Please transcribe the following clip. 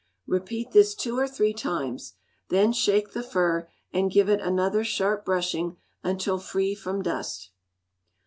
Repeat this two or three times: then shake the fur, and give it another sharp brushing until free from dust.